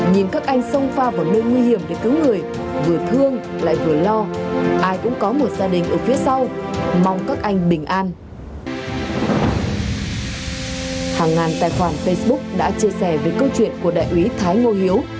hàng ngàn tài khoản facebook đã chia sẻ về câu chuyện của đại úy thái ngô hiếu